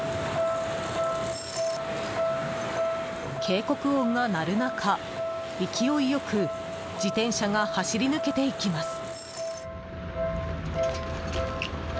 警告音が鳴る中、勢いよく自転車が走り抜けていきます。